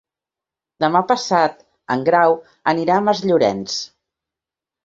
Demà passat en Grau anirà a Masllorenç.